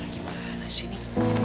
gimana sih ini